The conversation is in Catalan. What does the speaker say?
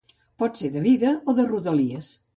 Pot ser de vida o de rodalies.